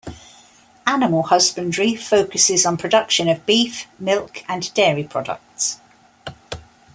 Animal husbandry focuses on production of beef, milk, and dairy products.